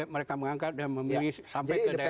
mereka mengangkat dan memilih sampai ke daerah